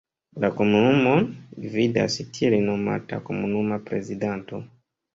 La komunumon gvidas tiel nomata komunuma prezidanto.